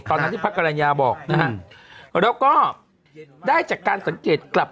ตอนนั้นที่พระกรรณญาบอกนะฮะแล้วก็ได้จากการสังเกตกลับ